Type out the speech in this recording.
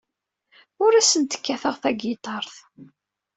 Ur asent-kkateɣ tagiṭart.